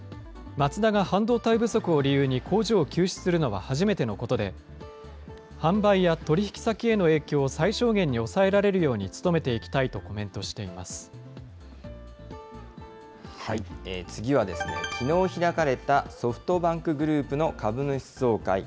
マツダが半導体不足を理由に工場を休止するのは初めてのことで、販売や取り引き先への影響を最小限に抑えられるように努めていき次は、きのう開かれたソフトバンクグループの株主総会。